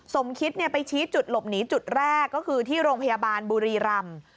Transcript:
สมคิตไปชี้จุดหลบหนีจุดแรกก็คือที่โรงพยาบาลบุรีรำ